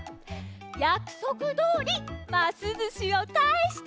やくそくどおりますずしをかえして！